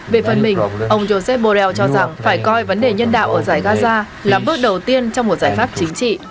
về phần mình ông joseph borrell cho rằng phải coi vấn đề nhân đạo ở giải gaza là bước đầu tiên trong một giải pháp chính trị